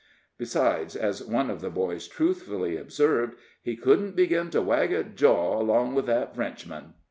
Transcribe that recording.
Besides, as one of the boys truthfully observed, "He couldn't begin to wag a jaw along with that Frenchman."